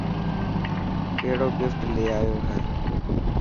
ڪهڙو گفٽ لي آيو هي.